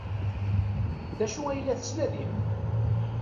D acu ay la tettnadim?